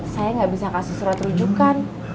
saya nggak bisa kasih surat rujukan